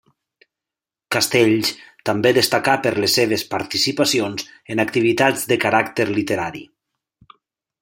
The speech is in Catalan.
Castells, també destacà per les seves participacions en activitats de caràcter literari.